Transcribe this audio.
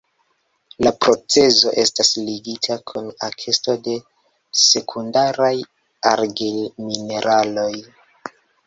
La procezo estas ligita kun ekesto de sekundaraj argil-mineraloj.